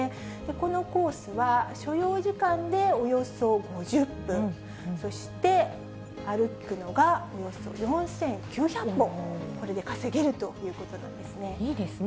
このコースは、所要時間でおよそ５０分、そして歩くのがおよそ４９００歩、これで稼げるということなんですいいですね。